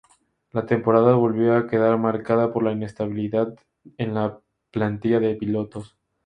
La temporada volvió a quedar marcada por la inestabilidad en la plantilla de pilotos.